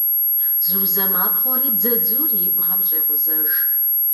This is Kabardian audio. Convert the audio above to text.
Зузэ мапхъуэри дзадзур и бгъэм щӏекъузэж.